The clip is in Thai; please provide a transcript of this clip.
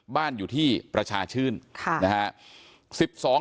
บ้านอยู่ที่ประชาชื่นนะฮะ